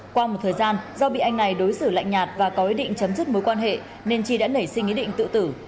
qua một thời gian do bị anh này đối xử lạnh nhạt và có ý định chấm dứt mối quan hệ nên chi đã nảy sinh ý định tự tử